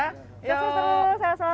selam sukses selalu